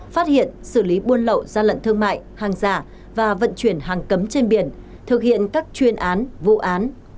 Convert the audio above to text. phát hiện xử lý buôn lậu gian lận thương mại hàng giả và vận chuyển hàng cấm trên biển thực hiện các chuyên án vụ án